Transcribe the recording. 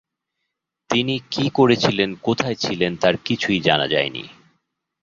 তিনি কি করেছিলেন, কোথায় ছিলেন তার কিছুই জানা যায়নি।